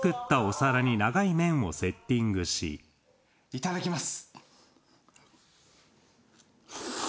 いただきます。